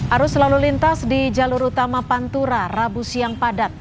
arus lalu lintas di jalur utama pantura rabu siang padat